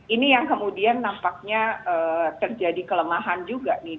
ini yang kemudian nampaknya terjadi kelemahan juga nih